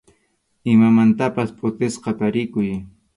Imamantapas phutisqa tarikuy.